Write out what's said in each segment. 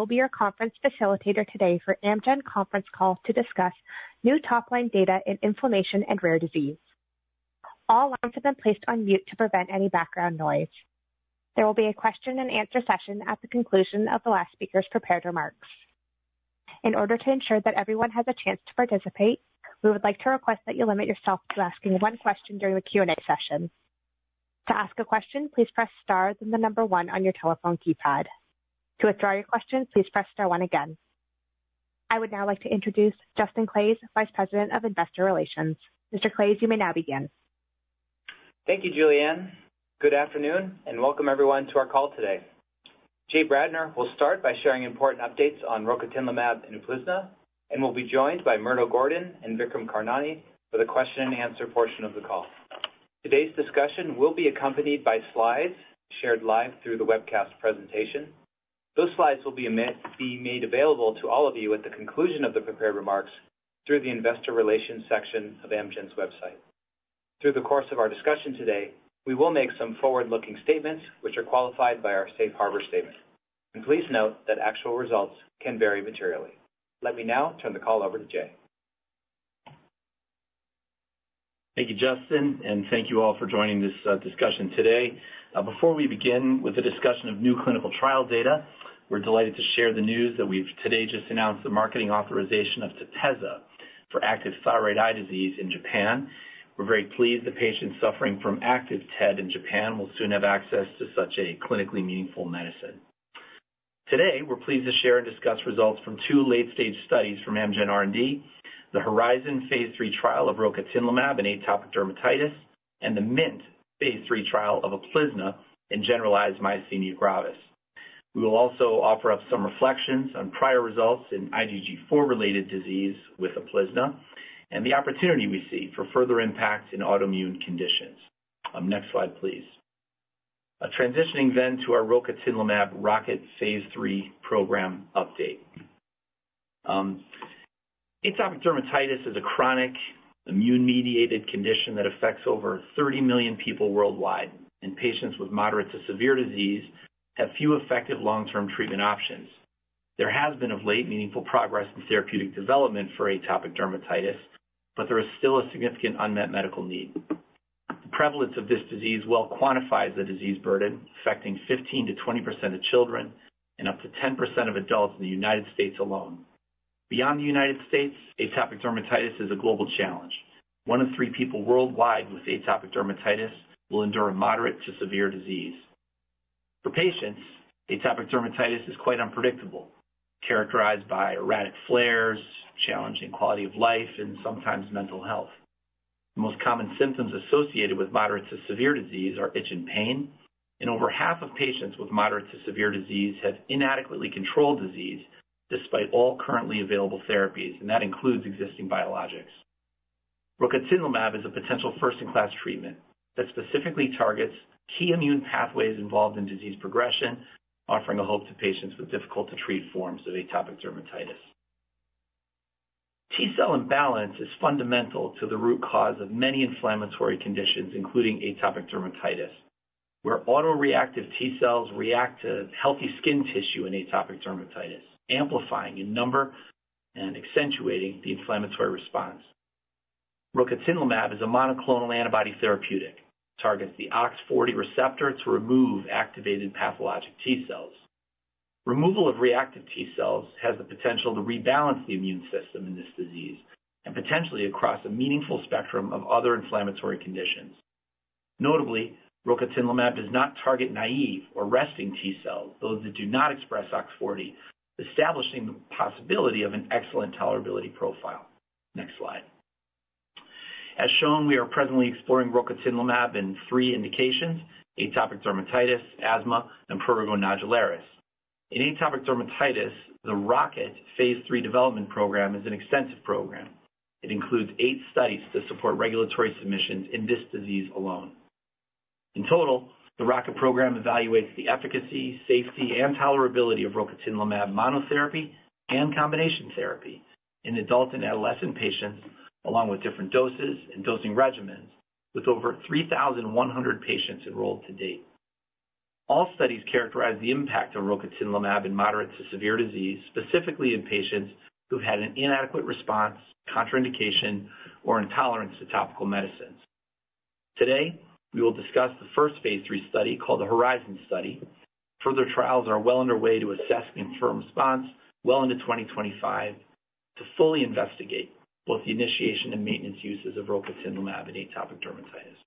I will be your conference facilitator today for Amgen conference call to discuss new top-line data in inflammation and rare disease. All lines have been placed on mute to prevent any background noise. There will be a question and answer session at the conclusion of the last speaker's prepared remarks. In order to ensure that everyone has a chance to participate, we would like to request that you limit yourself to asking one question during the Q&A session. To ask a question, please press star, then the number one on your telephone keypad. To withdraw your question, please press star one again. I would now like to introduce Justin Claeys, Vice President of Investor Relations. Mr. Claeys, you may now begin. Thank you, Julianne. Good afternoon, and welcome everyone to our call today. Jay Bradner will start by sharing important updates on rocatinlimab and Uplizna, and we'll be joined by Murdo Gordon and Vikram Karnani for the question-and-answer portion of the call. Today's discussion will be accompanied by slides shared live through the webcast presentation. Those slides will be made available to all of you at the conclusion of the prepared remarks through the Investor Relations section of Amgen's website. Through the course of our discussion today, we will make some forward-looking statements which are qualified by our Safe Harbor statement, and please note that actual results can vary materially. Let me now turn the call over to Jay. Thank you, Justin, and thank you all for joining this discussion today. Before we begin with a discussion of new clinical trial data, we're delighted to share the news that we've today just announced the marketing authorization of Tepezza for active thyroid eye disease in Japan. We're very pleased the patients suffering from active TED in Japan will soon have access to such a clinically meaningful medicine. Today, we're pleased to share and discuss results from two late-stage studies from Amgen R&D, the HORIZON Phase 3 trial of rocatinlimab in atopic dermatitis, and the MINT Phase 3 trial of Uplizna in generalized myasthenia gravis. We will also offer up some reflections on prior results in IgG4-related disease with Uplizna, and the opportunity we see for further impact in autoimmune conditions. Next slide, please. Transitioning then to our rocatinlimab ROCKET Phase 3 program update. Atopic dermatitis is a chronic immune-mediated condition that affects over 30 million people worldwide, and patients with moderate to severe disease have few effective long-term treatment options. There has been of late meaningful progress in therapeutic development for atopic dermatitis, but there is still a significant unmet medical need. The prevalence of this disease well quantifies the disease burden, affecting 15%-20% of children and up to 10% of adults in the United States alone. Beyond the United States, atopic dermatitis is a global challenge. One in three people worldwide with atopic dermatitis will endure a moderate to severe disease. For patients, atopic dermatitis is quite unpredictable, characterized by erratic flares, challenging quality of life, and sometimes mental health. The most common symptoms associated with moderate to severe disease are itch and pain, and over half of patients with moderate to severe disease have inadequately controlled disease, despite all currently available therapies, and that includes existing biologics. Rocatinlimab is a potential first-in-class treatment that specifically targets key immune pathways involved in disease progression, offering a hope to patients with difficult-to-treat forms of atopic dermatitis. T-cell imbalance is fundamental to the root cause of many inflammatory conditions, including atopic dermatitis, where autoreactive T-cells react to healthy skin tissue in atopic dermatitis, amplifying in number and accentuating the inflammatory response. Rocatinlimab is a monoclonal antibody therapeutic, targets the OX40 receptor to remove activated pathologic T-cells. Removal of reactive T-cells has the potential to rebalance the immune system in this disease and potentially across a meaningful spectrum of other inflammatory conditions. Notably, rocatinlimab does not target naive or resting T-cells, those that do not express OX40, establishing the possibility of an excellent tolerability profile. Next slide. As shown, we are presently exploring rocatinlimab in three indications: atopic dermatitis, asthma, and prurigo nodularis. In atopic dermatitis, the ROCKET Phase 3 development program is an extensive program. It includes eight studies to support regulatory submissions in this disease alone. In total, the ROCKET program evaluates the efficacy, safety, and tolerability of rocatinlimab monotherapy and combination therapy in adult and adolescent patients, along with different doses and dosing regimens, with over 3,100 patients enrolled to date. All studies characterize the impact of rocatinlimab in moderate to severe disease, specifically in patients who've had an inadequate response, contraindication, or intolerance to topical medicines. Today, we will discuss the first Phase 3 study, called the HORIZON Study. Further trials are well underway to assess and confirm response well into 2025 to fully investigate both the initiation and maintenance uses of rocatinlimab in atopic dermatitis.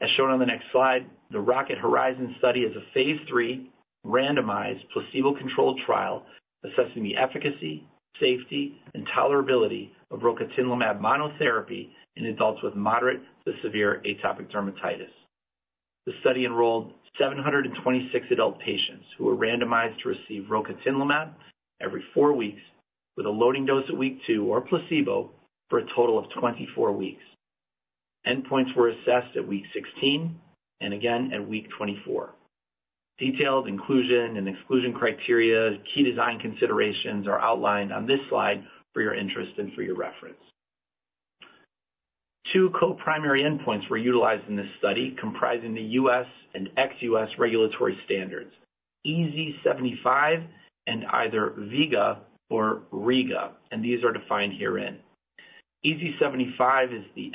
As shown on the next slide, the ROCKET HORIZON study is a Phase 3 randomized placebo-controlled trial assessing the efficacy, safety, and tolerability of rocatinlimab monotherapy in adults with moderate to severe atopic dermatitis. The study enrolled 726 adult patients who were randomized to receive rocatinlimab every 4 weeks, with a loading dose at week 2 or placebo for a total of 24 weeks. Endpoints were assessed at week 16 and again at week 24. Detailed inclusion and exclusion criteria, key design considerations are outlined on this slide for your interest and for your reference. Two co-primary endpoints were utilized in this study, comprising the U.S. and ex-U.S. regulatory standards, EASI-75 and either vIGA or rIGA, and these are defined herein. EASI-75 is the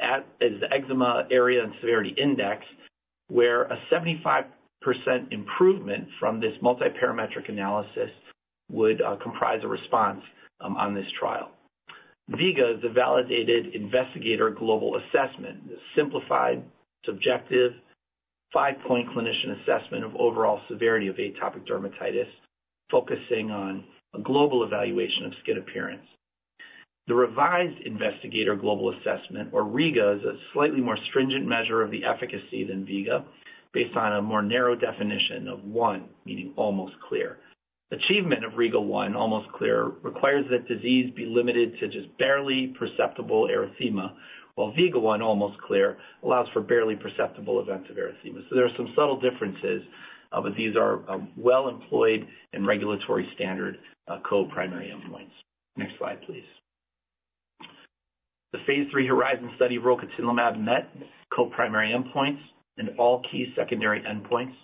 Eczema Area and Severity Index, where a 75% improvement from this multiparametric analysis would comprise a response on this trial. vIGA is a Validated Investigator Global Assessment, a simplified, subjective, five-point clinician assessment of overall severity of atopic dermatitis, focusing on a global evaluation of skin appearance. The Revised Investigator Global Assessment, or rIGA, is a slightly more stringent measure of the efficacy than vIGA, based on a more narrow definition of one, meaning almost clear. Achievement of rIGA one, almost clear, requires that disease be limited to just barely perceptible erythema, while vIGA one, almost clear, allows for barely perceptible events of erythema. There are some subtle differences, but these are well-established and regulatory standard co-primary endpoints. Next slide, please. The Phase 3 HORIZON study rocatinlimab met co-primary endpoints and all key secondary endpoints,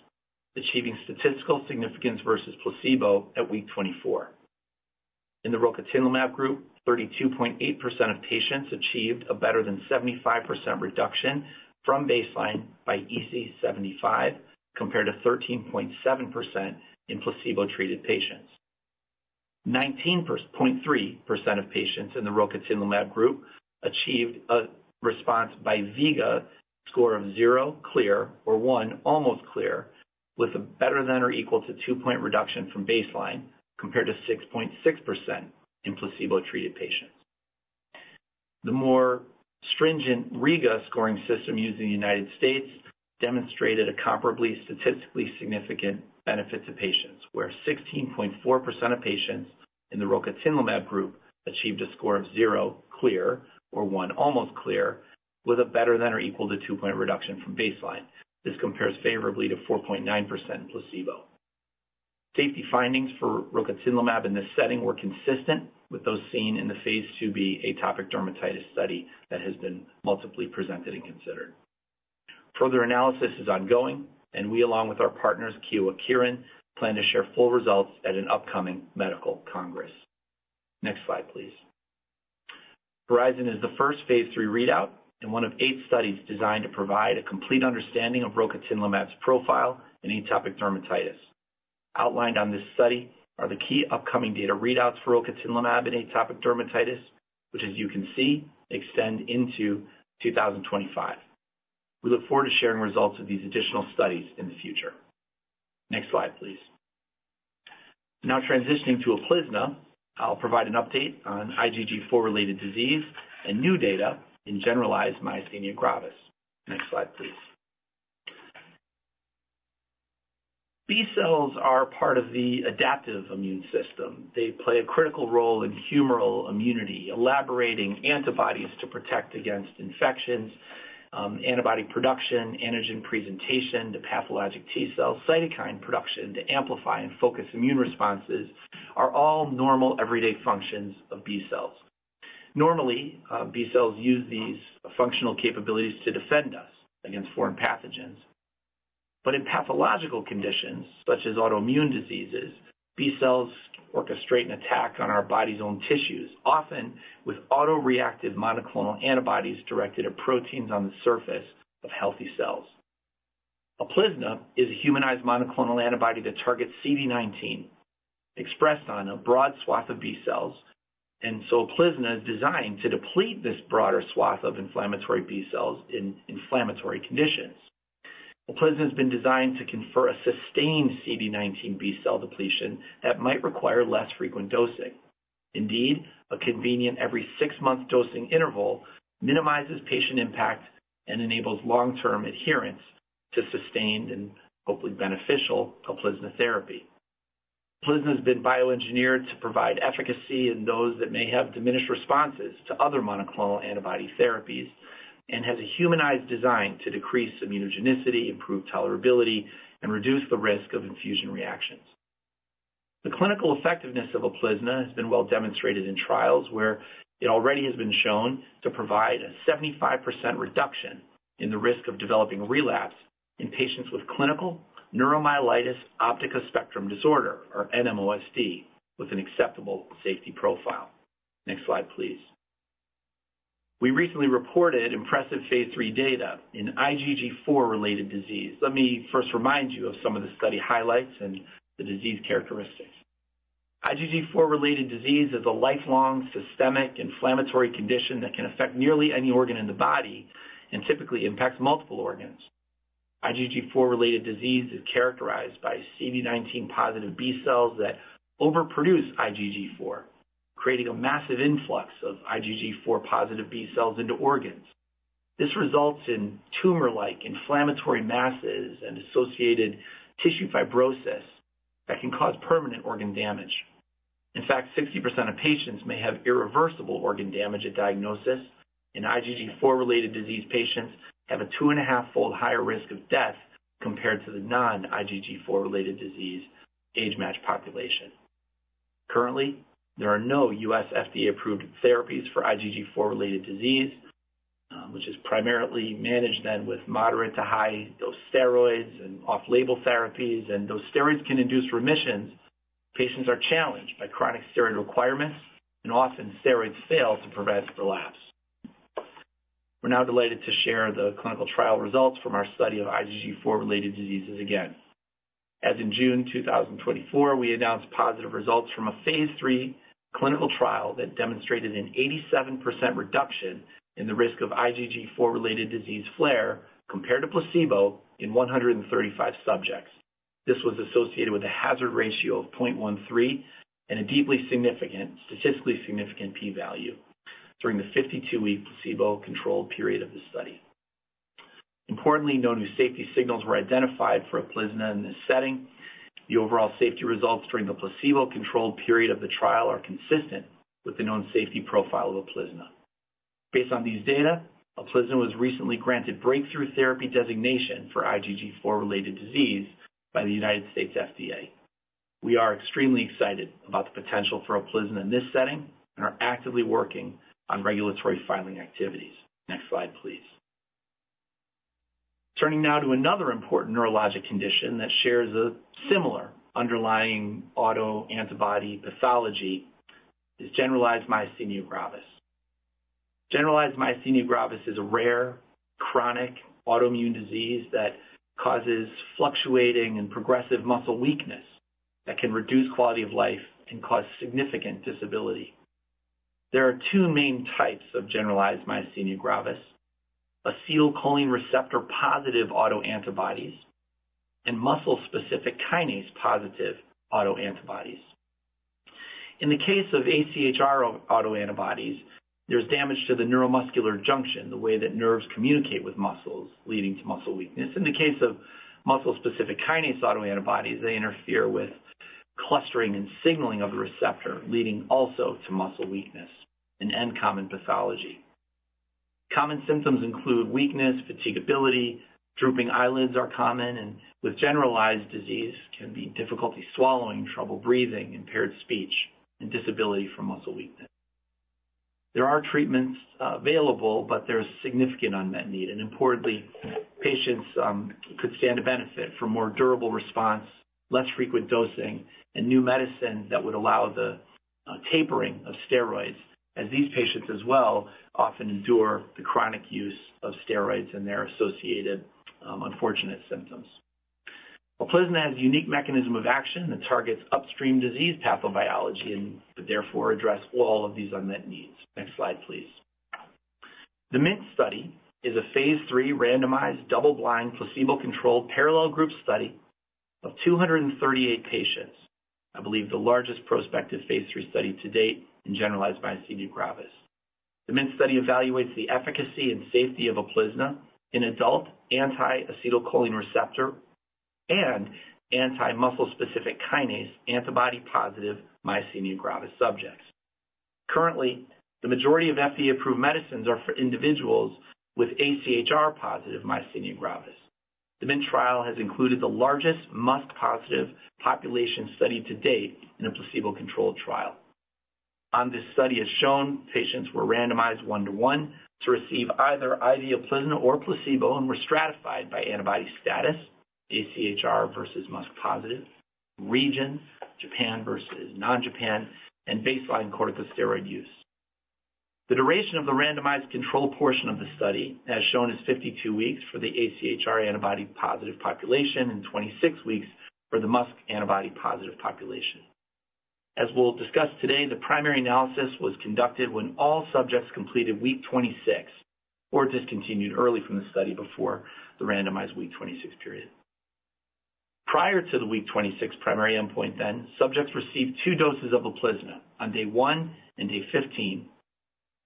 achieving statistical significance versus placebo at week 24. In the rocatinlimab group, 32.8% of patients achieved a better than 75% reduction from baseline by EASI-75, compared to 13.7% in placebo-treated patients. 19.3% of patients in the rocatinlimab group achieved a response by vIGA score of zero, clear, or one, almost clear, with a better than or equal to 2-point reduction from baseline, compared to 6.6% in placebo-treated patients. The more stringent rIGA scoring system used in the United States demonstrated a comparably statistically significant benefit to patients, where 16.4% of patients in the rocatinlimab group achieved a score of zero, clear, or one, almost clear, with a better than or equal to 2-point reduction from baseline. This compares favorably to 4.9% in placebo. Safety findings for rocatinlimab in this setting were consistent with those seen in the Phase 2b atopic dermatitis study that has been multiply presented and considered. Further analysis is ongoing, and we, along with our partners, Kyowa Kirin, plan to share full results at an upcoming medical congress. Next slide, please. HORIZON is the first Phase 3 readout and one of eight studies designed to provide a complete understanding of rocatinlimab's profile in atopic dermatitis. Outlined on this study are the key upcoming data readouts for rocatinlimab in atopic dermatitis, which, as you can see, extend into two thousand and twenty-five. We look forward to sharing results of these additional studies in the future. Next slide, please. Now transitioning to Uplizna, I'll provide an update on IgG4-related disease and new data in generalized myasthenia gravis. Next slide, please. B-cells are part of the adaptive immune system. They play a critical role in humoral immunity, elaborating antibodies to protect against infections, antibody production, antigen presentation to pathologic T cells, cytokine production to amplify and focus immune responses are all normal, everyday functions of B-cells. Normally, B-cells use these functional capabilities to defend us against foreign pathogens. But in pathological conditions, such as autoimmune diseases, B-cells orchestrate an attack on our body's own tissues, often with autoreactive monoclonal antibodies directed at proteins on the surface of healthy cells. Uplizna is a humanized monoclonal antibody that targets CD19, expressed on a broad swath of B-cells, and so Uplizna is designed to deplete this broader swath of inflammatory B-cells in inflammatory conditions. Uplizna has been designed to confer a sustained CD19 B-cell depletion that might require less frequent dosing. Indeed, a convenient every six-month dosing interval minimizes patient impact and enables long-term adherence to sustained and hopefully beneficial Uplizna therapy. Uplizna has been bioengineered to provide efficacy in those that may have diminished responses to other monoclonal antibody therapies and has a humanized design to decrease immunogenicity, improve tolerability, and reduce the risk of infusion reactions. The clinical effectiveness of Uplizna has been well demonstrated in trials where it already has been shown to provide a 75% reduction in the risk of developing relapse in patients with clinical neuromyelitis optica spectrum disorder, or NMOSD, with an acceptable safety profile. Next slide, please. We recently reported impressive Phase 3 data in IgG4-related disease. Let me first remind you of some of the study highlights and the disease characteristics. IgG4-related disease is a lifelong, systemic inflammatory condition that can affect nearly any organ in the body and typically impacts multiple organs. IgG4-related disease is characterized by CD19-positive B-cells that overproduce IgG4, creating a massive influx of IgG4-positive B-cells into organs. This results in tumor-like inflammatory masses and associated tissue fibrosis that can cause permanent organ damage. In fact, 60% of patients may have irreversible organ damage at diagnosis, and IgG4-related disease patients have a two-and-a-half fold higher risk of death compared to the non-IgG4-related disease age-matched population. Currently, there are no U.S. FDA-approved therapies for IgG4-related disease, which is primarily managed then with moderate to high-dose steroids and off-label therapies. And those steroids can induce remissions. Patients are challenged by chronic steroid requirements, and often steroids fail to prevent relapse. We're now delighted to share the clinical trial results from our study of IgG4-related disease again. As in June 2024, we announced positive results from a Phase 3 clinical trial that demonstrated an 87% reduction in the risk of IgG4-related disease flare compared to placebo in 135 subjects. This was associated with a hazard ratio of 0.13 and a deeply significant, statistically significant P value during the 52-week placebo-controlled period of the study. Importantly, no new safety signals were identified for Uplizna in this setting. The overall safety results during the placebo-controlled period of the trial are consistent with the known safety profile of Uplizna. Based on these data, Uplizna was recently granted breakthrough therapy designation for IgG4-related disease by the United States FDA. We are extremely excited about the potential for Uplizna in this setting and are actively working on regulatory filing activities. Next slide, please. Turning now to another important neurologic condition that shares a similar underlying autoantibody pathology is generalized myasthenia gravis. Generalized myasthenia gravis is a rare, chronic autoimmune disease that causes fluctuating and progressive muscle weakness, that can reduce quality of life and cause significant disability. There are two main types of generalized myasthenia gravis: acetylcholine receptor-positive autoantibodies and muscle-specific kinase-positive autoantibodies. In the case of AChR autoantibodies, there's damage to the neuromuscular junction, the way that nerves communicate with muscles, leading to muscle weakness. In the case of muscle-specific kinase autoantibodies, they interfere with clustering and signaling of the receptor, leading also to muscle weakness and in common pathology. Common symptoms include weakness, fatigability, drooping eyelids are common, and with generalized disease, can be difficulty swallowing, trouble breathing, impaired speech, and disability from muscle weakness. There are treatments available, but there's significant unmet need, and importantly, patients could stand to benefit from more durable response, less frequent dosing, and new medicine that would allow the tapering of steroids, as these patients as well often endure the chronic use of steroids and their associated unfortunate symptoms. Uplizna has a unique mechanism of action that targets upstream disease pathobiology and therefore address all of these unmet needs. Next slide, please. The MINT study is a Phase 3 randomized, double-blind, placebo-controlled, parallel group study of two hundred and thirty-eight patients, I believe the largest prospective Phase 3 study to date in generalized myasthenia gravis. The MINT study evaluates the efficacy and safety of Uplizna in adult anti-acetylcholine receptor and anti-muscle-specific kinase antibody-positive myasthenia gravis subjects. Currently, the majority of FDA-approved medicines are for individuals with AChR-positive myasthenia gravis. The MINT trial has included the largest MuSK-positive population study to date in a placebo-controlled trial. On this study, as shown, patients were randomized one to one to receive either IV Uplizna or placebo and were stratified by antibody status, AChR versus MuSK positive, region, Japan versus non-Japan, and baseline corticosteroid use. The duration of the randomized control portion of the study, as shown, is 52 weeks for the AChR antibody-positive population and 26 weeks for the MuSK antibody-positive population. As we'll discuss today, the primary analysis was conducted when all subjects completed week 26 or discontinued early from the study before the randomized week 26 period. Prior to the week 26 primary endpoint then, subjects received two doses of Uplizna on day 1 and day 15,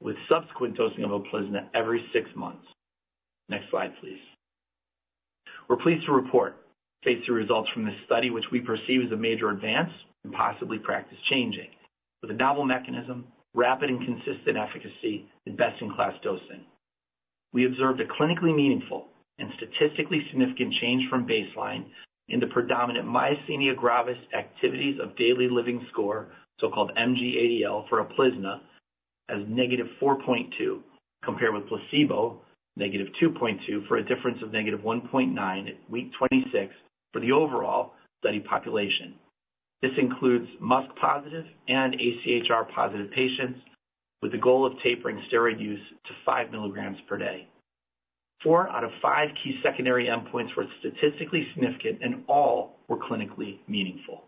with subsequent dosing of Uplizna every six months. Next slide, please. We're pleased to report Phase 3 results from this study, which we perceive as a major advance and possibly practice-changing, with a novel mechanism, rapid and consistent efficacy, and best-in-class dosing. We observed a clinically meaningful and statistically significant change from baseline in the predominant Myasthenia Gravis Activities of Daily Living score, so-called MG-ADL, for Uplizna as negative four point two, compared with placebo, negative two point two, for a difference of negative one point nine at week twenty-six for the overall study population. This includes MuSK-positive and AChR-positive patients with the goal of tapering steroid use to five milligrams per day. Four out of five key secondary endpoints were statistically significant, and all were clinically meaningful.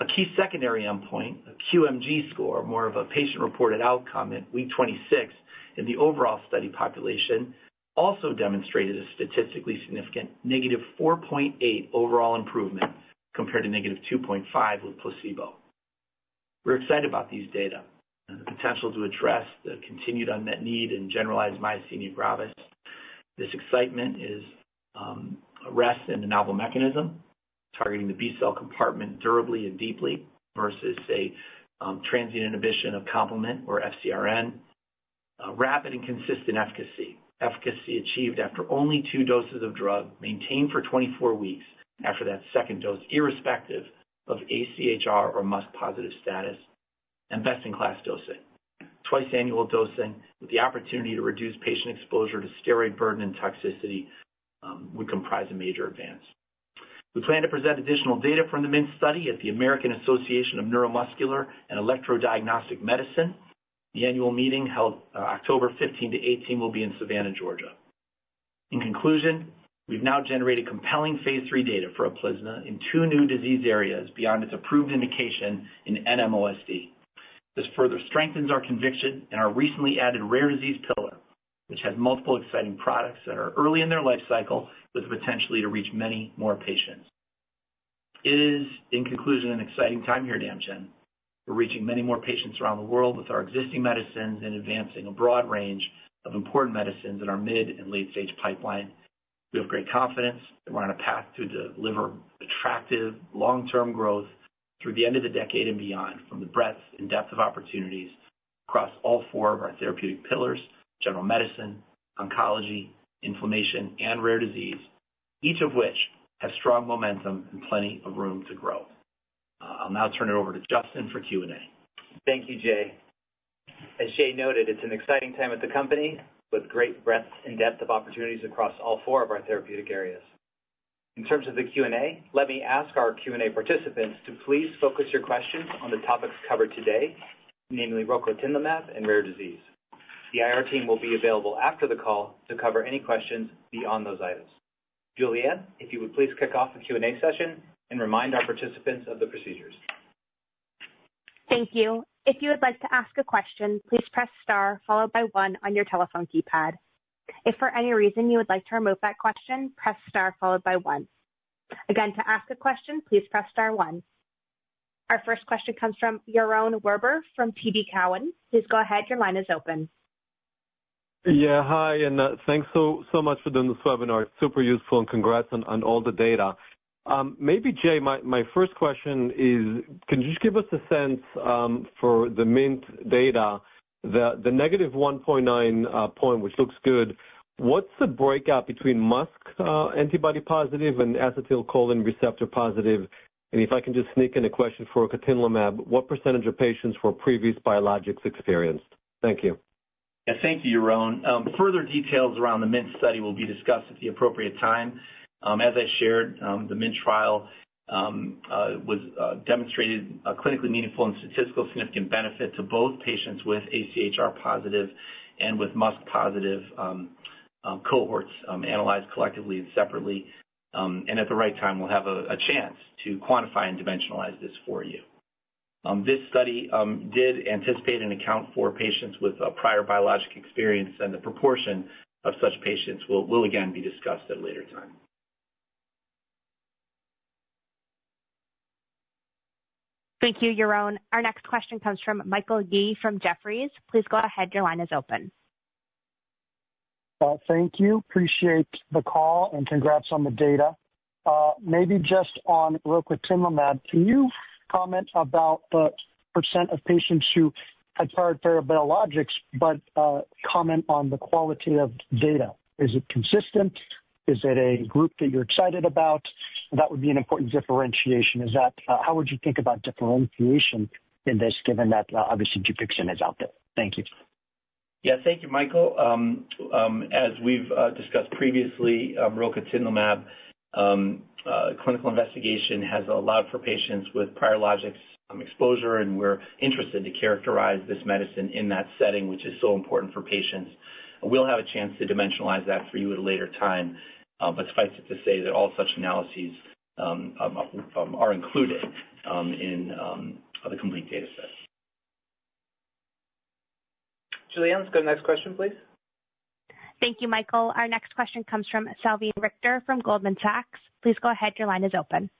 A key secondary endpoint, a QMG score, more of a patient-reported outcome at week twenty-six in the overall study population, also demonstrated a statistically significant negative four point eight overall improvement compared to negative two point five with placebo. We're excited about these data and the potential to address the continued unmet need in generalized myasthenia gravis. This excitement rests in the novel mechanism, targeting the B-cell compartment durably and deeply versus a transient inhibition of complement or FcRn. Rapid and consistent efficacy. Efficacy achieved after only two doses of drug, maintained for 24 weeks after that second dose, irrespective of AChR or MuSK positive status and best-in-class dosing. Twice annual dosing with the opportunity to reduce patient exposure to steroid burden and toxicity would comprise a major advance. We plan to present additional data from the MINT study at the American Association of Neuromuscular and Electrodiagnostic Medicine. The annual meeting, held October 15 to 18, will be in Savannah, Georgia. In conclusion, we've now generated compelling Phase 3 data for Uplizna in two new disease areas beyond its approved indication in NMOSD. This further strengthens our conviction in our recently added rare disease pillar, which has multiple exciting products that are early in their life cycle, with potential to reach many more patients. It is, in conclusion, an exciting time here at Amgen. We're reaching many more patients around the world with our existing medicines and advancing a broad range of important medicines in our mid- and late-stage pipeline. We have great confidence that we're on a path to deliver attractive, long-term growth through the end of the decade and beyond, from the breadth and depth of opportunities across all four of our therapeutic pillars: general medicine, oncology, inflammation, and rare disease, each of which has strong momentum and plenty of room to grow. I'll now turn it over to Justin for Q&A. Thank you, Jay. As Jay noted, it's an exciting time at the company with great breadth and depth of opportunities across all four of our therapeutic areas. In terms of the Q&A, let me ask our Q&A participants to please focus your questions on the topics covered today, namely rocatinlimab and rare disease. The IR team will be available after the call to cover any questions beyond those items. Julianne, if you would please kick off the Q&A session and remind our participants of the procedures. Thank you. If you would like to ask a question, please press star followed by one on your telephone keypad. If for any reason you would like to remove that question, press star followed by one. Again, to ask a question, please press star one. Our first question comes from Yaron Werber from TD Cowen. Please go ahead. Your line is open. Yeah, hi, and thanks so much for doing this webinar. It's super useful, and congrats on all the data. Maybe, Jay, my first question is, can you just give us a sense for the MINT data, the negative one point nine point, which looks good, what's the breakout between MuSK antibody positive and acetylcholine receptor positive? And if I can just sneak in a question for rocatinlimab, what percentage of patients were previous biologics experienced? Thank you. Yeah. Thank you, Yaron. Further details around the MINT study will be discussed at the appropriate time. As I shared, the MINT trial demonstrated a clinically meaningful and statistically significant benefit to both patients with AChR positive and with MuSK positive cohorts, analyzed collectively and separately, and at the right time, we'll have a chance to quantify and dimensionalize this for you. This study did anticipate and account for patients with a prior biologic experience, and the proportion of such patients will again be discussed at a later time. Thank you, Yaron. Our next question comes from Michael Yee from Jefferies. Please go ahead. Your line is open. Thank you. Appreciate the call, and congrats on the data. Maybe just on rocatinlimab, can you comment about the percent of patients who had prior biologics, but comment on the quality of data? Is it consistent? Is it a group that you're excited about? That would be an important differentiation. Is that how would you think about differentiation in this, given that obviously Dupixent is out there? Thank you. Yeah. Thank you, Michael. As we've discussed previously, rocatinlimab clinical investigation has allowed for patients with prior biologics exposure, and we're interested to characterize this medicine in that setting, which is so important for patients. We'll have a chance to dimensionalize that for you at a later time, but suffice it to say that all such analyses are included in the complete data set. Julianne, let's go to the next question, please. Thank you, Michael. Our next question comes from Salveen Richter from Goldman Sachs. Please go ahead. Your line is open.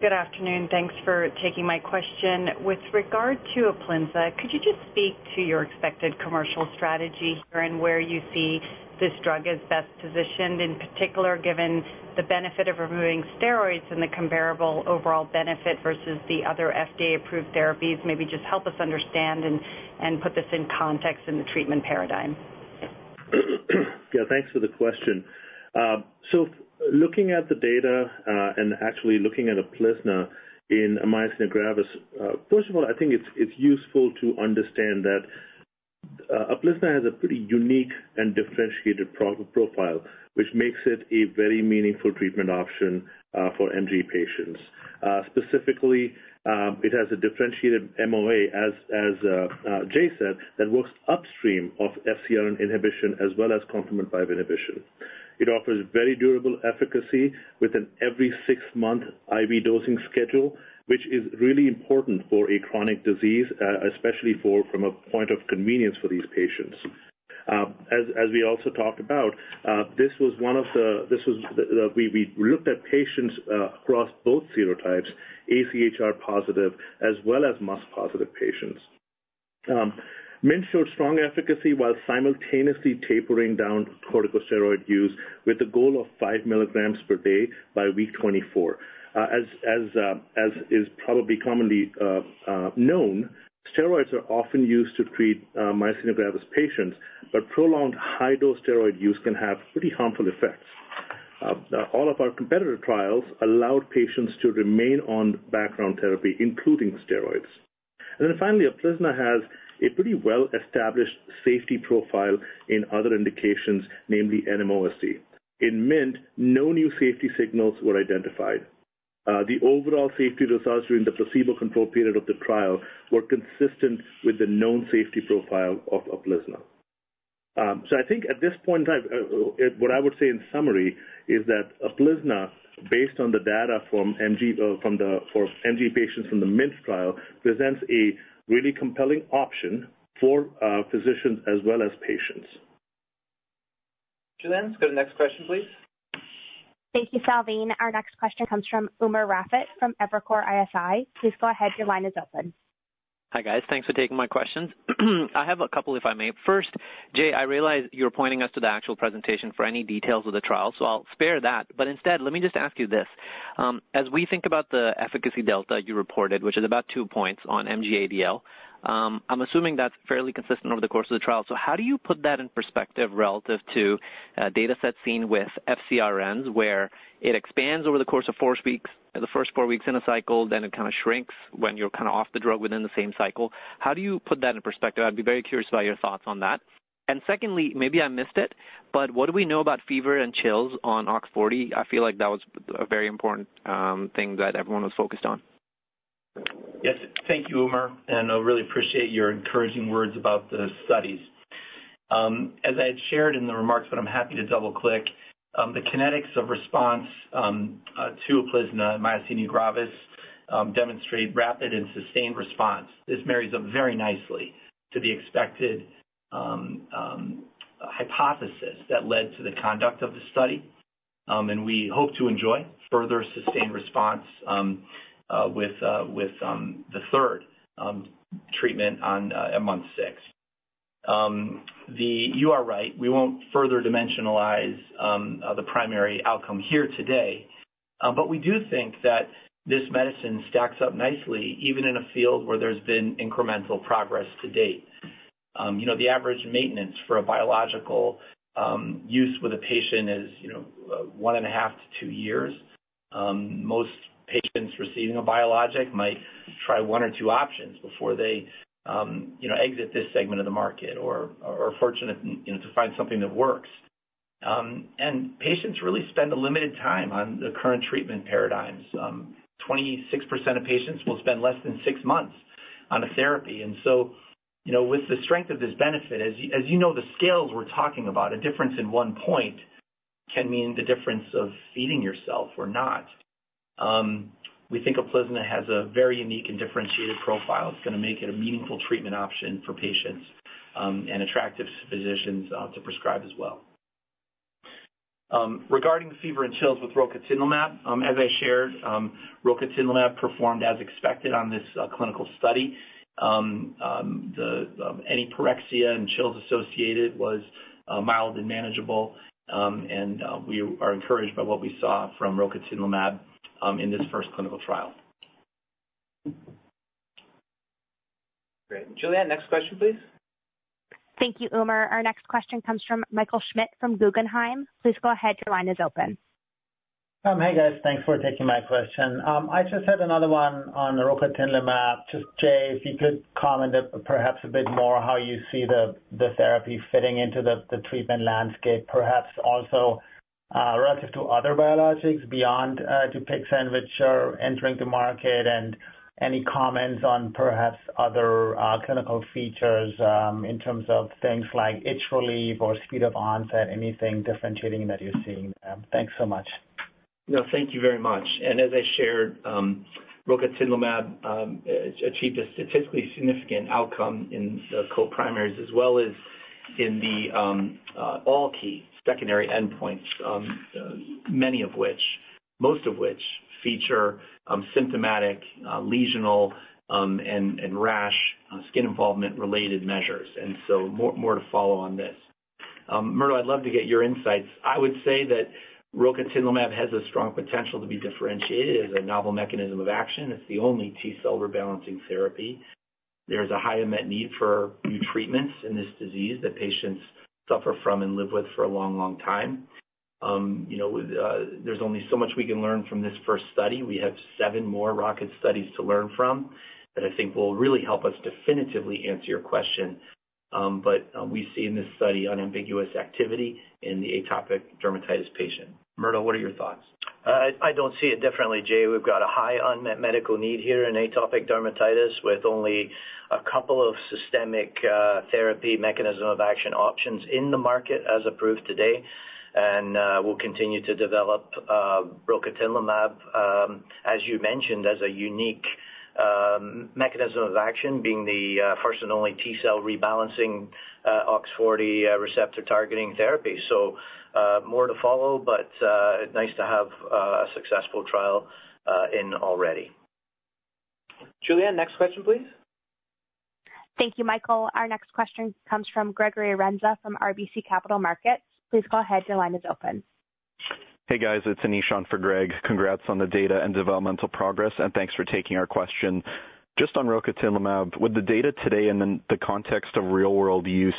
Good afternoon. Thanks for taking my question. With regard to Uplizna, could you just speak to your expected commercial strategy here and where you see this drug as best positioned, in particular, given the benefit of removing steroids and the comparable overall benefit versus the other FDA-approved therapies? Maybe just help us understand and put this in context in the treatment paradigm. Yeah, thanks for the question. So looking at the data, and actually looking at Uplizna in myasthenia gravis, first of all, I think it's useful to understand that Uplizna has a pretty unique and differentiated profile, which makes it a very meaningful treatment option for MG patients. Specifically, it has a differentiated MOA, as Jay said, that works upstream of FcRn inhibition as well as complement C5 inhibition. It offers very durable efficacy with an every six-month IV dosing schedule, which is really important for a chronic disease, especially from a point of convenience for these patients. As we also talked about, this was the. We looked at patients across both serotypes, AChR positive as well as MuSK positive patients. MINT showed strong efficacy while simultaneously tapering down corticosteroid use with a goal of five milligrams per day by week twenty-four. As is probably commonly known, steroids are often used to treat myasthenia gravis patients, but prolonged high-dose steroid use can have pretty harmful effects. All of our competitor trials allowed patients to remain on background therapy, including steroids. And then finally, Uplizna has a pretty well-established safety profile in other indications, namely NMOSD. In MINT, no new safety signals were identified. The overall safety results during the placebo-controlled period of the trial were consistent with the known safety profile of Uplizna. So I think at this point in time, what I would say in summary is that Uplizna, based on the data from MG, for MG patients from the MINT trial, presents a really compelling option for physicians as well as patients. Julianne, let's go to the next question, please. Thank you, Salveen. Our next question comes from Umer Raffat from Evercore ISI. Please go ahead. Your line is open. Hi, guys. Thanks for taking my questions. I have a couple, if I may. First, Jay, I realize you're pointing us to the actual presentation for any details of the trial, so I'll spare that. But instead, let me just ask you this. As we think about the efficacy delta you reported, which is about two points on MG ADL, I'm assuming that's fairly consistent over the course of the trial. So how do you put that in perspective relative to data sets seen with FcRns, where it expands over the course of four weeks, the first four weeks in a cycle, then it kind of shrinks when you're kind of off the drug within the same cycle? How do you put that in perspective? I'd be very curious about your thoughts on that. Secondly, maybe I missed it, but what do we know about fever and chills on OX40? I feel like that was a very important thing that everyone was focused on. Yes. Thank you, Umer, and I really appreciate your encouraging words about the studies. As I had shared in the remarks, but I'm happy to double-click the kinetics of response to Uplizna in myasthenia gravis demonstrate rapid and sustained response. This marries up very nicely to the expected hypothesis that led to the conduct of the study, and we hope to enjoy further sustained response with the third treatment on at month six. You are right. We won't further dimensionalize the primary outcome here today, but we do think that this medicine stacks up nicely, even in a field where there's been incremental progress to date. You know, the average maintenance for a biological use with a patient is, you know, one and a half to two years. Most patients receiving a biologic might try one or two options before they, you know, exit this segment of the market or are fortunate, you know, to find something that works, and patients really spend a limited time on the current treatment paradigms. Twenty-six percent of patients will spend less than six months on a therapy, and so, you know, with the strength of this benefit, as you, as you know, the scales we're talking about, a difference in one point can mean the difference of feeding yourself or not. We think Uplizna has a very unique and differentiated profile. It's going to make it a meaningful treatment option for patients, and attractive to physicians, to prescribe as well. Regarding fever and chills with rocatinlimab, as I shared, rocatinlimab performed as expected on this clinical study. Any pyrexia and chills associated was mild and manageable, and we are encouraged by what we saw from rocatinlimab in this first clinical trial. Great. Julianne, next question, please. Thank you, Umer. Our next question comes from Michael Schmidt from Guggenheim. Please go ahead. Your line is open. Hey, guys. Thanks for taking my question. I just had another one on rocatinlimab. Just, Jay, if you could comment perhaps a bit more how you see the therapy fitting into the treatment landscape, perhaps also relative to other biologics beyond Dupixent, which are entering the market, and any comments on perhaps other clinical features in terms of things like itch relief or speed of onset, anything differentiating that you're seeing? Thanks so much. No, thank you very much. And as I shared, rocatinlimab achieved a statistically significant outcome in the co-primaries, as well as in the all key secondary endpoints, many of which, most of which feature symptomatic lesional and rash skin involvement-related measures. And so more to follow on this. Murdo, I'd love to get your insights. I would say that rocatinlimab has a strong potential to be differentiated. It is a novel mechanism of action. It's the only T-cell rebalancing therapy. There's a high unmet need for new treatments in this disease that patients suffer from and live with for a long, long time. You know, there's only so much we can learn from this first study. We have seven more ROCKET studies to learn from that I think will really help us definitively answer your question. But we see in this study unambiguous activity in the atopic dermatitis patient. Murdo, what are your thoughts? I don't see it differently, Jay. We've got a high unmet medical need here in atopic dermatitis, with only a couple of systemic therapy mechanism of action options in the market as approved today. And we'll continue to develop rocatinlimab, as you mentioned, as a unique mechanism of action, being the first and only T-cell rebalancing OX40 receptor targeting therapy. So, more to follow, but nice to have a successful trial in AD already. Julianne, next question, please. Thank you, Michael. Our next question comes from Gregory Renza from RBC Capital Markets. Please go ahead. Your line is open. Hey, guys. It's Anish for Greg. Congrats on the data and developmental progress, and thanks for taking our question. Just on rocatinlimab, with the data today and then the context of real-world use,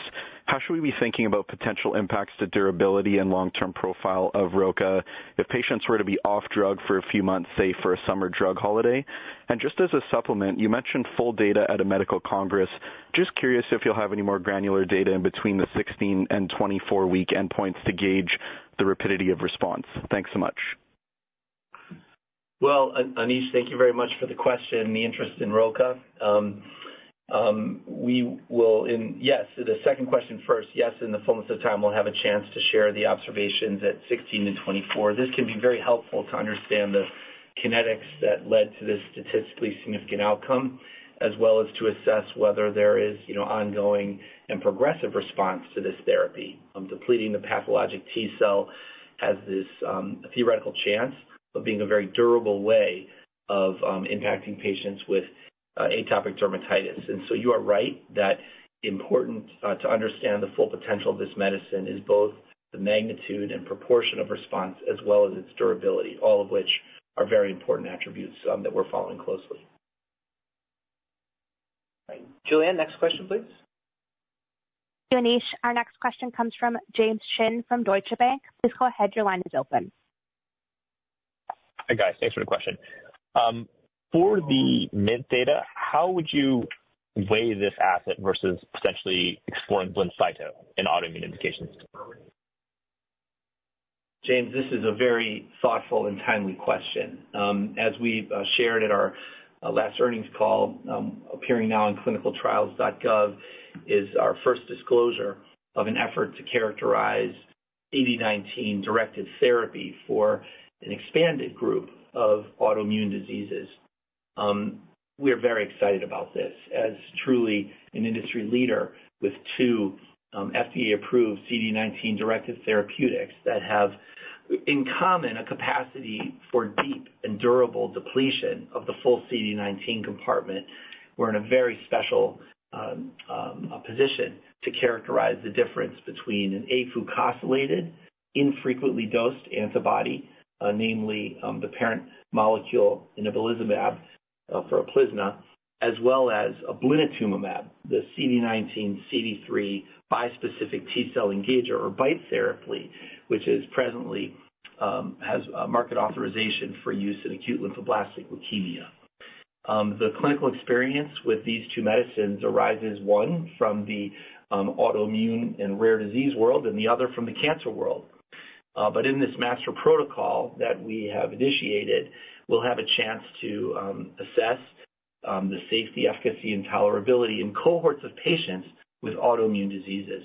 how should we be thinking about potential impacts to durability and long-term profile of Roca if patients were to be off drug for a few months, say, for a summer drug holiday? And just as a supplement, you mentioned full data at a medical congress. Just curious if you'll have any more granular data in between the 16 and 24-week endpoints to gauge the rapidity of response. Thanks so much. Anish, thank you very much for the question, the interest in Roca. Yes, to the second question first. Yes, in the fullness of time, we'll have a chance to share the observations at sixteen to twenty-four. This can be very helpful to understand the kinetics that led to this statistically significant outcome, as well as to assess whether there is, you know, ongoing and progressive response to this therapy. Depleting the pathologic T-cell has this theoretical chance of being a very durable way of impacting patients with atopic dermatitis. And so you are right, that important to understand the full potential of this medicine is both the magnitude and proportion of response, as well as its durability, all of which are very important attributes that we're following closely. Right. Julianne, next question, please. Anish, our next question comes from James Shin from Deutsche Bank. Please go ahead. Your line is open. Hi, guys. Thanks for the question. For the MINT data, how would you weigh this asset versus potentially exploring Blincyto in autoimmune indications? James, this is a very thoughtful and timely question. As we've shared at our last earnings call, appearing now on clinicaltrials.gov, is our first disclosure of an effort to characterize CD19-directed therapy for an expanded group of autoimmune diseases. We are very excited about this. As truly an industry leader with two FDA-approved CD19-directed therapeutics that have, in common, a capacity for deep and durable depletion of the full CD19 compartment, we're in a very special position to characterize the difference between an afucosylated, infrequently dosed antibody, namely, the parent molecule in inebilizumab for Uplizna, as well as blinatumomab, the CD19/CD3 bispecific T-cell engager or BiTE therapy, which is presently has a market authorization for use in acute lymphoblastic leukemia. The clinical experience with these two medicines arises, one, from the autoimmune and rare disease world, and the other from the cancer world, but in this master protocol that we have initiated, we'll have a chance to assess the safety, efficacy, and tolerability in cohorts of patients with autoimmune diseases.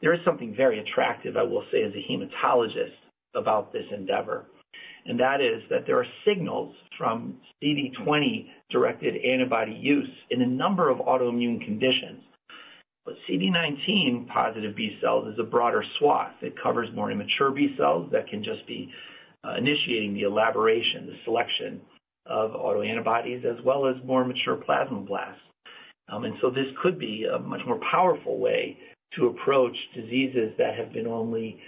There is something very attractive, I will say, as a hematologist, about this endeavor, and that is that there are signals from CD20-directed antibody use in a number of autoimmune conditions. But CD19-positive B cells is a broader swath. It covers more immature B cells that can just be initiating the elaboration, the selection of autoantibodies, as well as more mature plasmablasts. And so this could be a much more powerful way to approach diseases that have been only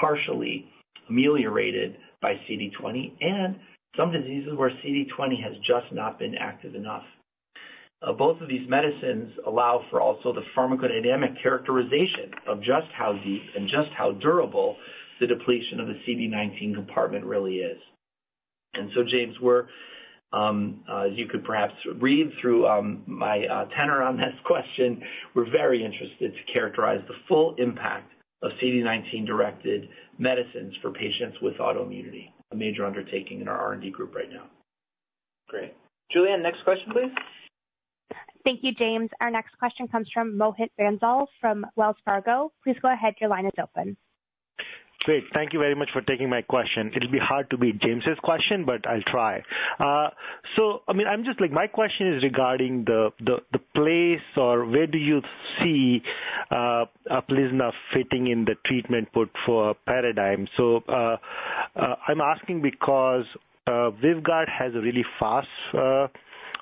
partially ameliorated by CD20, and some diseases where CD20 has just not been active enough. Both of these medicines allow for also the pharmacodynamic characterization of just how deep and just how durable the depletion of the CD19 compartment really is. And so, James, we're, as you could perhaps read through, my tenor on this question, we're very interested to characterize the full impact of CD19-directed medicines for patients with autoimmunity, a major undertaking in our R&D group right now. Great. Julianne, next question, please. Thank you, James. Our next question comes from Mohit Bansal from Wells Fargo. Please go ahead. Your line is open. Great. Thank you very much for taking my question. It'll be hard to beat James' question, but I'll try. So I mean, I'm just like. My question is regarding the place or where do you see Uplizna fitting in the treatment paradigm. I'm asking because Vyvgart has a really fast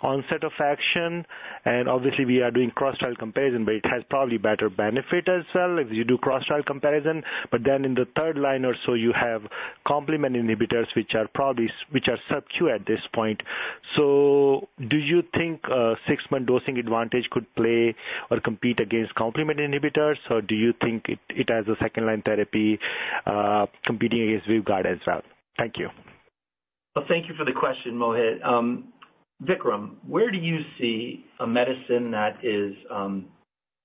onset of action, and obviously, we are doing cross-trial comparison, but it has probably better benefit as well if you do cross-trial comparison. But then in the third line or so, you have complement inhibitors, which are probably sub-Q at this point. Do you think six-month dosing advantage could play or compete against complement inhibitors, or do you think it has a second-line therapy competing against Vyvgart as well? Thank you. Thank you for the question, Mohit. Vikram, where do you see a medicine that is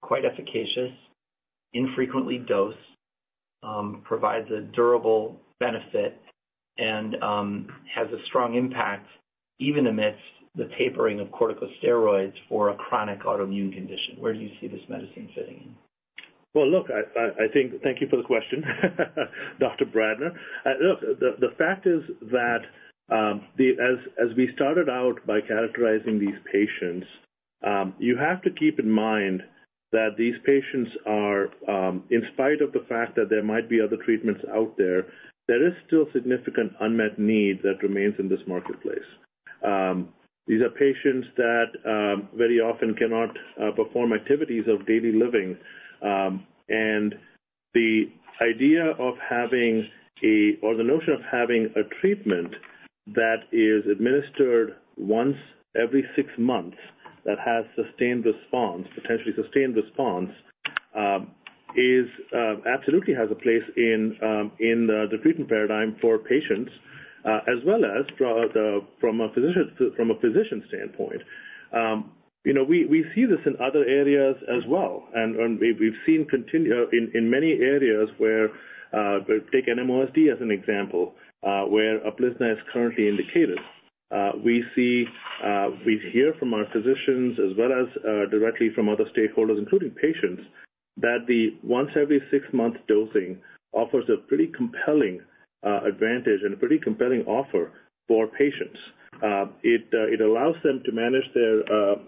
quite efficacious, infrequently dosed, provides a durable benefit, and has a strong impact, even amidst the tapering of corticosteroids for a chronic autoimmune condition? Where do you see this medicine fitting in? Look, thank you for the question, Dr. Bradner. Look, the fact is that, as we started out by characterizing these patients, you have to keep in mind that these patients are, in spite of the fact that there might be other treatments out there, there is still significant unmet need that remains in this marketplace. These are patients that very often cannot perform activities of daily living. The idea of having, or the notion of having a treatment that is administered once every six months that has sustained response, potentially sustained response, is absolutely has a place in the treatment paradigm for patients, as well as from a physician standpoint. You know, we see this in other areas as well, and we've seen continued in many areas where, take NMOSD as an example, where Uplizna is currently indicated. We hear from our physicians as well as directly from other stakeholders, including patients, that the once every six-month dosing offers a pretty compelling advantage and a pretty compelling offer for patients. It allows them to manage their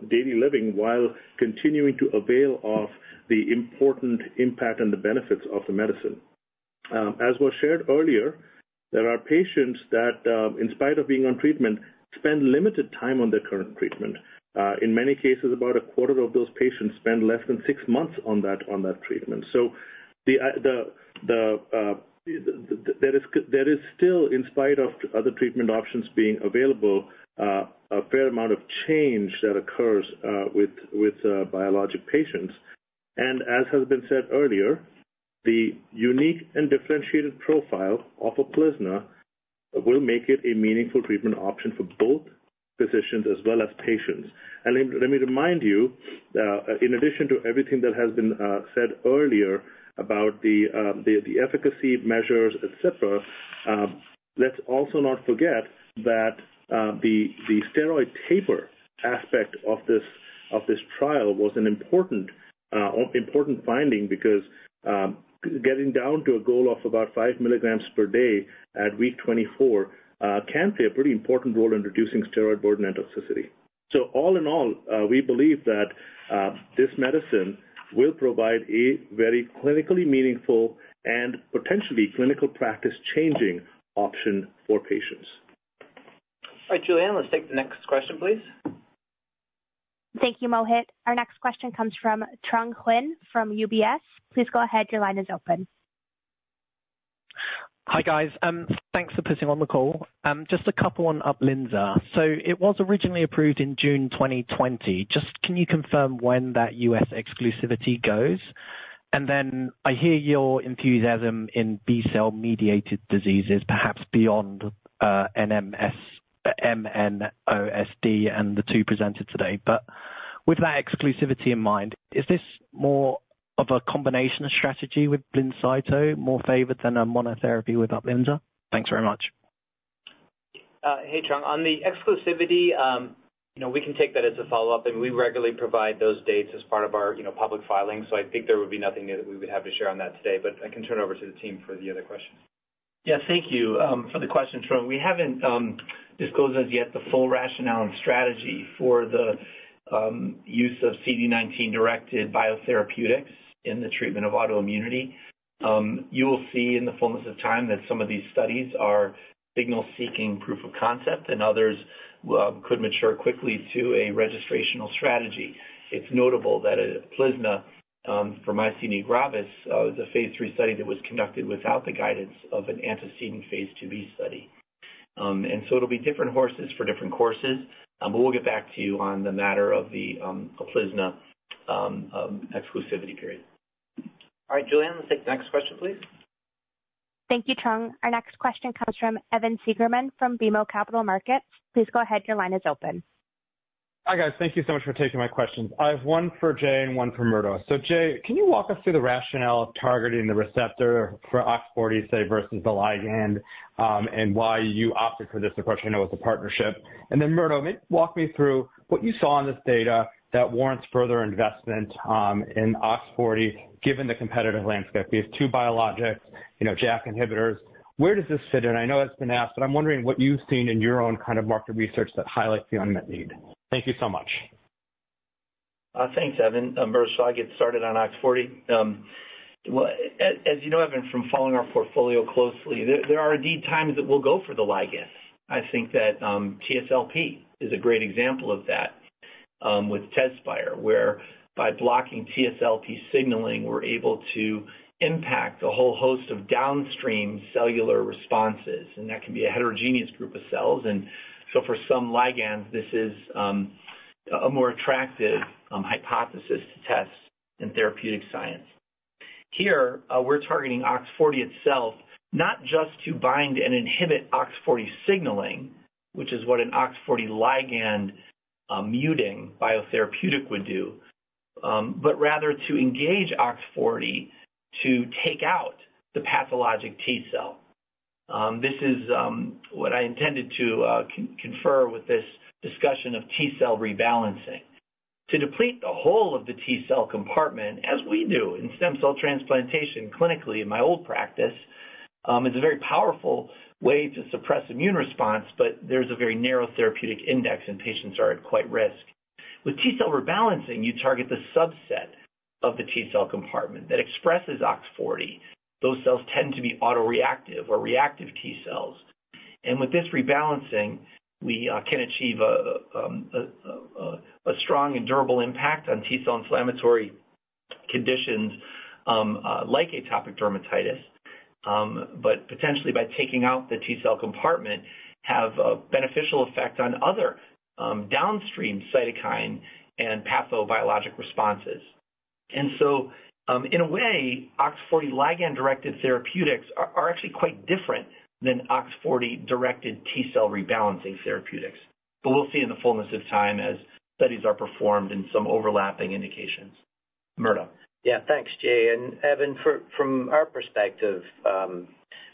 daily living while continuing to avail of the important impact and the benefits of the medicine. As was shared earlier, there are patients that, in spite of being on treatment, spend limited time on their current treatment. In many cases, about a quarter of those patients spend less than six months on that treatment. So there is still, in spite of other treatment options being available, a fair amount of change that occurs with biologic patients. And as has been said earlier, the unique and differentiated profile of Uplizna will make it a meaningful treatment option for both physicians as well as patients. And let me remind you, in addition to everything that has been said earlier about the efficacy measures, et cetera, let's also not forget that the steroid taper aspect of this trial was an important finding, because getting down to a goal of about five milligrams per day at week twenty-four can play a pretty important role in reducing steroid burden and toxicity. So all in all, we believe that this medicine will provide a very clinically meaningful and potentially clinical practice-changing option for patients. All right, Julianne, let's take the next question, please. Thank you, Mohit. Our next question comes from Trung Huynh from UBS. Please go ahead. Your line is open. Hi, guys. Thanks for putting on the call. Just a couple on Uplizna. So it was originally approved in June 2020. Just can you confirm when that U.S. exclusivity goes? And then I hear your enthusiasm in B-cell mediated diseases, perhaps beyond NMOSD and the two presented today. But with that exclusivity in mind, is this more of a combination strategy with Blincyto, more favored than a monotherapy with Uplizna? Thanks very much. Hey, Trung. On the exclusivity, you know, we can take that as a follow-up, and we regularly provide those dates as part of our, you know, public filings, so I think there would be nothing new that we would have to share on that today, but I can turn it over to the team for the other questions. Yeah, thank you for the question, Trung. We haven't disclosed as yet the full rationale and strategy for the use of CD19-directed biotherapeutics in the treatment of autoimmunity. You will see in the fullness of time that some of these studies are signal-seeking proof of concept, and others could mature quickly to a registrational strategy. It's notable that Uplizna for myasthenia gravis was a Phase 3 study that was conducted without the guidance of an antecedent Phase 2b study, and so it'll be different horses for different courses, but we'll get back to you on the matter of the Uplizna exclusivity period. All right, Julianne, let's take the next question, please. Thank you, Trung. Our next question comes from Evan Seigerman from BMO Capital Markets. Please go ahead. Your line is open. Hi, guys. Thank you so much for taking my questions. I have one for Jay and one for Murdo. So Jay, can you walk us through the rationale of targeting the receptor for OX40, say, versus the ligand, and why you opted for this approach? I know it's a partnership. And then, Murdo, walk me through what you saw in this data that warrants further investment in OX40, given the competitive landscape. We have two biologics, you know, JAK inhibitors. Where does this fit in? I know it's been asked, but I'm wondering what you've seen in your own kind of market research that highlights the unmet need. Thank you so much. Thanks, Evan. Murdo, so I'll get started on OX40. Well, as you know, Evan, from following our portfolio closely, there are indeed times that we'll go for the ligands. I think that TSLP is a great example of that, with Tezspire, where by blocking TSLP signaling, we're able to impact a whole host of downstream cellular responses, and that can be a heterogeneous group of cells. For some ligands, this is a more attractive hypothesis to test in therapeutic science. Here, we're targeting OX40 itself, not just to bind and inhibit OX40 signaling, which is what an OX40 ligand muting biotherapeutic would do, but rather to engage OX40 to take out the pathologic T cell. This is what I intended to confer with this discussion of T cell rebalancing. To deplete the whole of the T-cell compartment, as we do in stem cell transplantation clinically in my old practice, is a very powerful way to suppress immune response, but there's a very narrow therapeutic index, and patients are at quite a risk. With T-cell rebalancing, you target the subset of the T-cell compartment that expresses OX40. Those cells tend to be autoreactive or reactive T cells, and with this rebalancing, we can achieve a strong and durable impact on T-cell inflammatory conditions, like atopic dermatitis, but potentially by taking out the T-cell compartment, have a beneficial effect on other downstream cytokine and pathobiologic responses, and so, in a way, OX40 ligand-directed therapeutics are actually quite different than OX40-directed T-cell rebalancing therapeutics. But we'll see in the fullness of time as studies are performed in some overlapping indications. Murdo? Yeah, thanks, Jay. And Evan, from our perspective,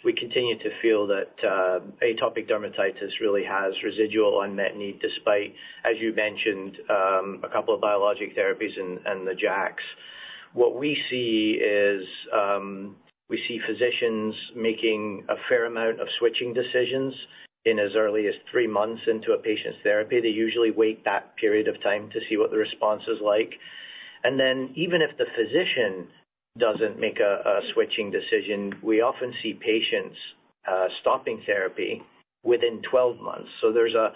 we continue to feel that atopic dermatitis really has residual unmet need, despite, as you mentioned, a couple of biologic therapies and the JAKs. What we see is, we see physicians making a fair amount of switching decisions in as early as three months into a patient's therapy. They usually wait that period of time to see what the response is like. And then, even if the physician doesn't make a switching decision, we often see patients stopping therapy within twelve months. So there's a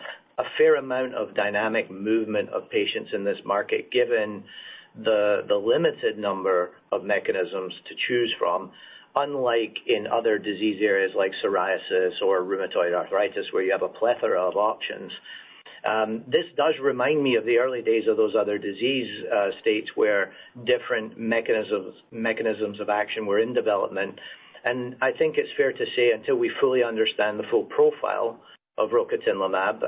fair amount of dynamic movement of patients in this market, given the limited number of mechanisms to choose from, unlike in other disease areas like psoriasis or rheumatoid arthritis, where you have a plethora of options. This does remind me of the early days of those other disease states, where different mechanisms of action were in development, and I think it's fair to say, until we fully understand the full profile of rocatinlimab,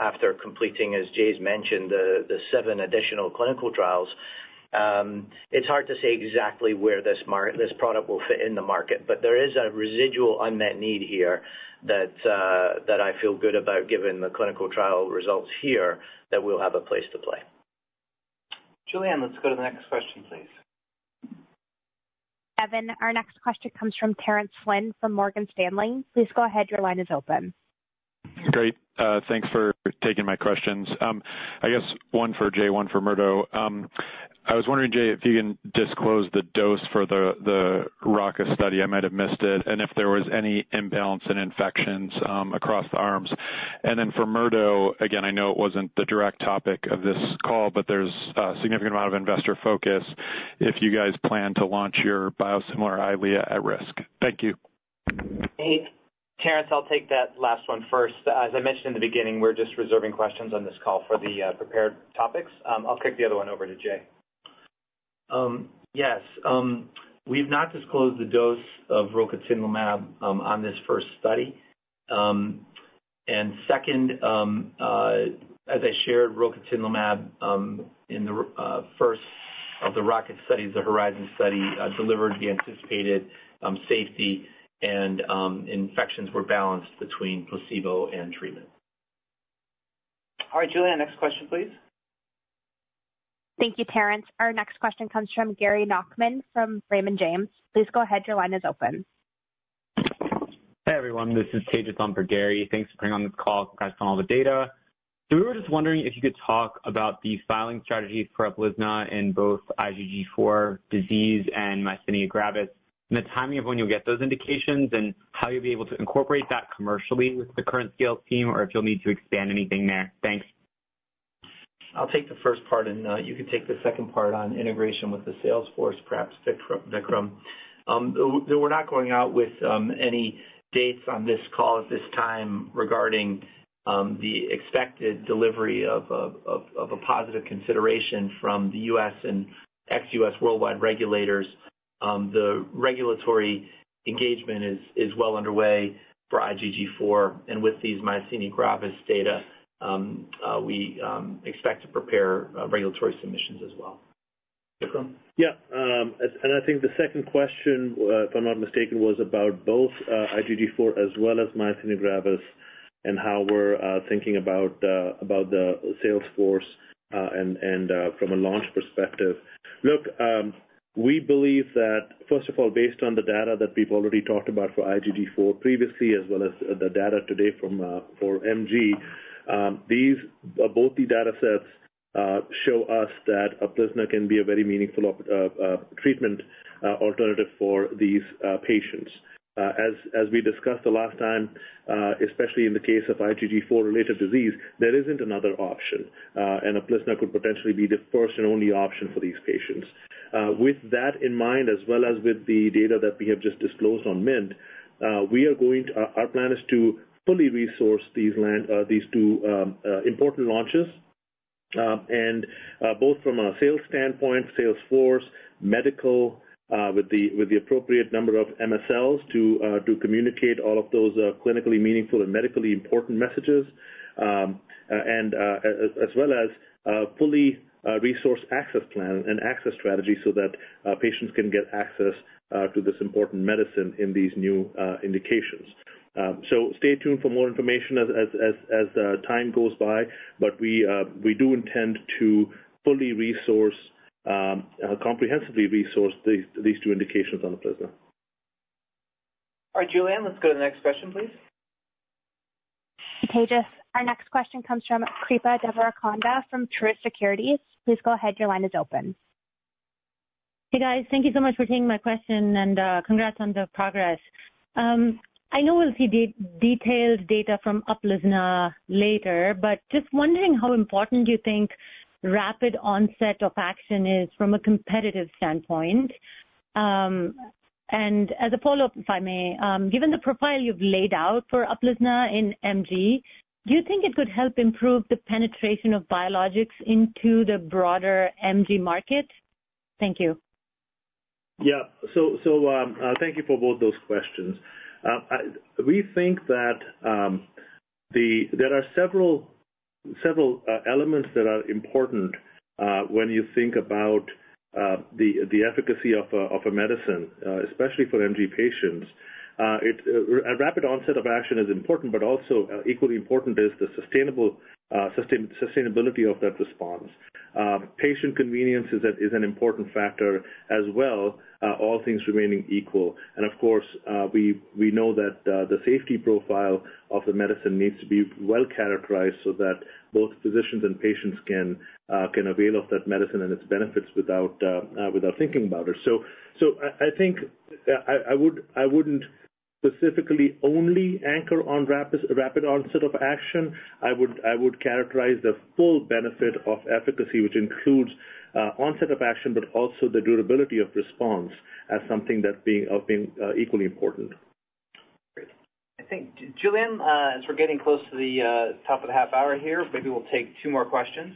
after completing, as Jay's mentioned, the seven additional clinical trials, it's hard to say exactly where this product will fit in the market, but there is a residual unmet need here that I feel good about, given the clinical trial results here, that we'll have a place to play. Julianne, let's go to the next question, please. Evan, our next question comes from Terence Flynn from Morgan Stanley. Please go ahead, your line is open. Great. Thanks for taking my questions. I guess one for Jay, one for Murdo. I was wondering, Jay, if you can disclose the dose for the ROCKET study. I might have missed it, and if there was any imbalance in infections across the arms. And then for Murdo, again, I know it wasn't the direct topic of this call, but there's a significant amount of investor focus if you guys plan to launch your biosimilar Eylea at risk. Thank you. Terence, I'll take that last one first. As I mentioned in the beginning, we're just reserving questions on this call for the prepared topics. I'll kick the other one over to Jay. Yes. We've not disclosed the dose of rocatinlimab on this first study. And second, as I shared, rocatinlimab in the first of the ROCKET studies, the HORIZON study, delivered the anticipated safety, and infections were balanced between placebo and treatment. All right, Julianne, next question, please. Thank you, Terence. Our next question comes from Gary Nachman from Raymond James. Please go ahead, your line is open. Hey, everyone, this is Tejas on for Gary. Thanks for putting on this call, guys, on all the data. So we were just wondering if you could talk about the filing strategies for Uplizna in both IgG4 disease and myasthenia gravis, and the timing of when you'll get those indications, and how you'll be able to incorporate that commercially with the current sales team, or if you'll need to expand anything there? Thanks. I'll take the first part, and you can take the second part on integration with the sales force, perhaps, Vikram. We're not going out with any dates on this call at this time regarding the expected delivery of a positive consideration from the U.S. and ex-U.S. worldwide regulators. The regulatory engagement is well underway for IgG4, and with these myasthenia gravis data, we expect to prepare regulatory submissions as well. Vikram? Yeah, and I think the second question, if I'm not mistaken, was about both IgG4 as well as myasthenia gravis, and how we're thinking about the sales force, and from a launch perspective. Look, we believe that, first of all, based on the data that people already talked about for IgG4 previously, as well as the data today from for MG, these both the data sets show us that Uplizna can be a very meaningful treatment alternative for these patients. As we discussed the last time, especially in the case of IgG4-related disease, there isn't another option, and Uplizna could potentially be the first and only option for these patients. With that in mind, as well as with the data that we have just disclosed on MINT, our plan is to fully resource these two important launches, and both from a sales standpoint, sales force, medical, with the appropriate number of MSLs to communicate all of those clinically meaningful and medically important messages, and as well as fully resource access plan and access strategy so that patients can get access to this important medicine in these new indications, so stay tuned for more information as time goes by, but we do intend to fully resource comprehensively resource these two indications on Uplizna. All right, Julianne, let's go to the next question, please. Tejas, our next question comes from Kripa Devarakonda from Truist Securities. Please go ahead, your line is open. Hey, guys. Thank you so much for taking my question, and congrats on the progress. I know we'll see the detailed data from Uplizna later, but just wondering how important you think rapid onset of action is from a competitive standpoint? And as a follow-up, if I may, given the profile you've laid out for Uplizna in MG, do you think it could help improve the penetration of biologics into the broader MG market? Thank you. Yeah. So, thank you for both those questions. I think that there are several elements that are important when you think about the efficacy of a medicine, especially for MG patients. It's a rapid onset of action is important, but also equally important is the sustainability of that response. Patient convenience is an important factor as well, all things remaining equal. And of course we know that the safety profile of the medicine needs to be well-characterized so that both physicians and patients can avail of that medicine and its benefits without thinking about it. So I think I wouldn't specifically only anchor on rapid onset of action. I would characterize the full benefit of efficacy, which includes onset of action, but also the durability of response as something that being equally important. Great. I think, Julianne, as we're getting close to the top of the half hour here, maybe we'll take two more questions.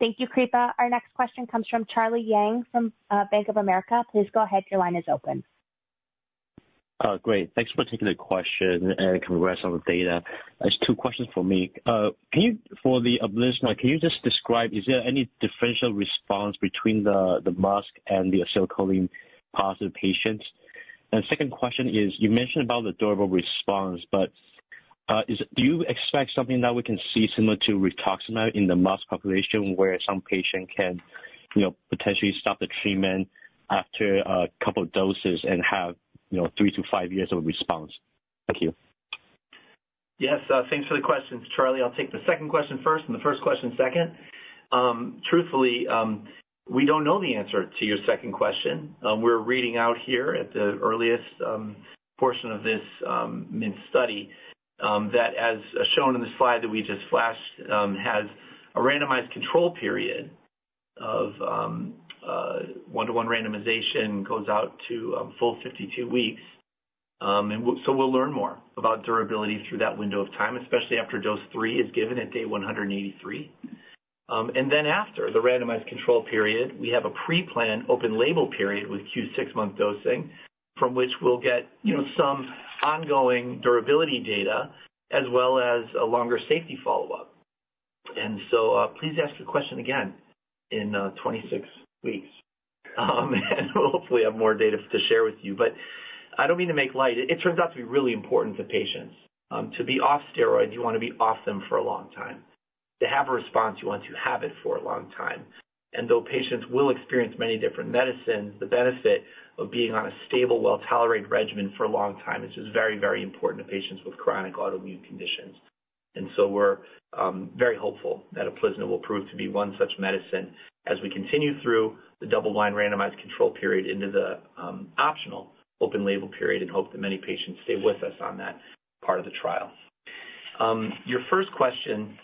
Thank you, Kripa. Our next question comes from Charlie Yang from Bank of America. Please go ahead. Your line is open. Great. Thanks for taking the question, and congrats on the data. There's two questions for me. Can you, for the Uplizna, can you just describe, is there any differential response between the MuSK and the acetylcholine-positive patients? And second question is, you mentioned about the durable response, but is, do you expect something that we can see similar to rituximab in the MuSK population, where some patient can, you know, potentially stop the treatment after a couple of doses and have, you know, three to five years of response? Thank you. Yes, thanks for the questions, Charlie. I'll take the second question first and the first question second. Truthfully, we don't know the answer to your second question. We're reading out here at the earliest portion of this MINT study, that, as shown in the slide that we just flashed, has a randomized control period of one-to-one randomization, goes out to a full 52 weeks. And so we'll learn more about durability through that window of time, especially after dose three is given at day 183. And then after the randomized control period, we have a pre-planned open label period with Q6 month dosing, from which we'll get, you know, some ongoing durability data, as well as a longer safety follow-up. So please ask the question again in 26 weeks. And hopefully, I have more data to share with you. But I don't mean to make light. It turns out to be really important for patients to be off steroids, you want to be off them for a long time. To have a response, you want to have it for a long time. And though patients will experience many different medicines, the benefit of being on a stable, well-tolerated regimen for a long time, which is very, very important to patients with chronic autoimmune conditions. And so we're very hopeful that Uplizna will prove to be one such medicine as we continue through the double-blind, randomized control period into the optional open label period, and hope that many patients stay with us on that part of the trial. Your first question,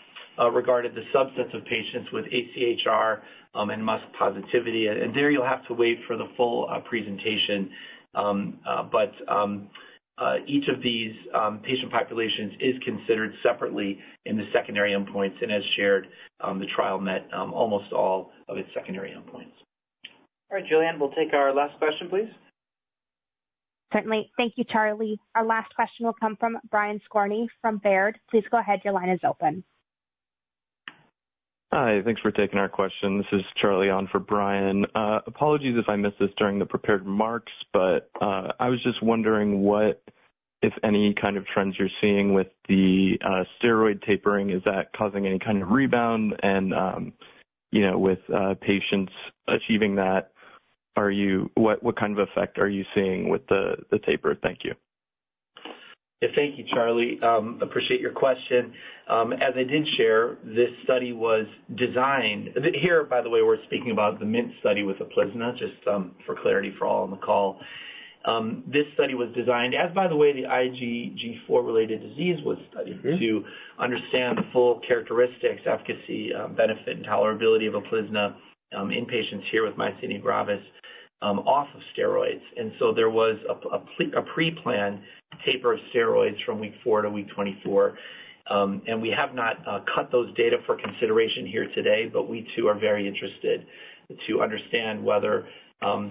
regarding the subset of patients with AChR and MuSK positivity, and there you'll have to wait for the full presentation. But each of these patient populations is considered separately in the secondary endpoints, and as shared, the trial met almost all of its secondary endpoints. All right, Julianne, we'll take our last question, please. Certainly. Thank you, Charlie. Our last question will come from Brian Skorney from Baird. Please go ahead. Your line is open. Hi. Thanks for taking our question. This is Charlie on for Brian. Apologies if I missed this during the prepared remarks, but I was just wondering what, if any, kind of trends you're seeing with the steroid tapering. Is that causing any kind of rebound? And, you know, with patients achieving that, are you, what kind of effect are you seeing with the taper? Thank you. Yeah. Thank you, Charlie. Appreciate your question. As I did share, this study was designed. Here, by the way, we're speaking about the MINT study with Uplizna, just for clarity for all on the call. This study was designed, as by the way, the IgG4-related disease was studied, to understand the full characteristics, efficacy, benefit, and tolerability of Uplizna in patients here with myasthenia gravis off of steroids. And so there was a pre-planned taper of steroids from week four to week twenty-four. And we have not cut those data for consideration here today, but we, too, are very interested to understand whether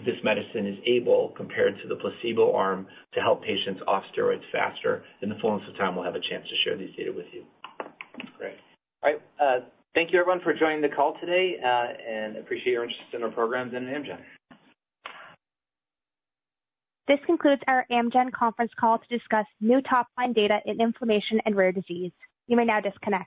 this medicine is able, compared to the placebo arm, to help patients off steroids faster. In the fullness of time, we'll have a chance to share these data with you. Great. All right, thank you, everyone, for joining the call today, and appreciate your interest in our programs and Amgen. This concludes our Amgen conference call to discuss new top-line data in inflammation and rare disease. You may now disconnect.